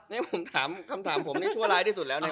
นี่ผมถามคำถามผมนี่ชั่วร้ายที่สุดแล้วนะ